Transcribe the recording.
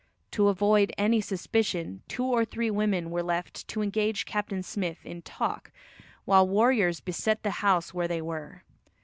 To avoid any suspicion, two or three women were left to engage Captain Smith in talk while warriors beset the house where they were.